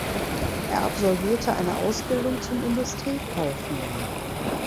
Er absolvierte eine Ausbildung zum Industriekaufmann.